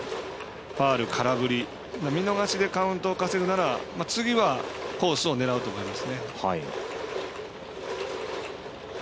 ファウル、空振り、見逃しでカウントを稼ぐなら次はコースを狙うと思います。